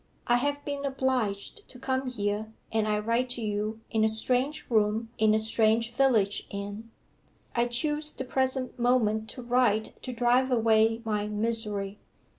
I have been obliged to come here, and I write to you in a strange room in a strange village inn! I choose the present moment to write to drive away my misery.